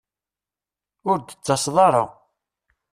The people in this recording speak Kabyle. Ur d-tettaseḍ ara